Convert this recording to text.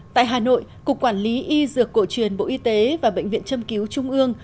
tại hà nội cục quản lý y dược cổ truyền bộ y tế và bệnh viện châm cứu trung ương